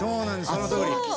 そのとおり。